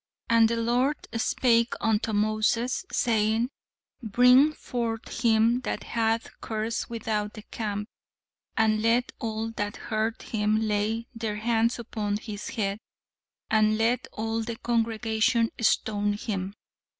'And the Lord spake unto Moses, saying, Bring forth him that hath cursed without the camp; and let all that heard him lay their hands upon his head, and let all the congregation stone him.'